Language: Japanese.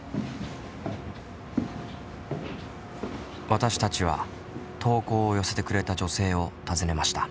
私たちは投稿を寄せてくれた女性を訪ねました。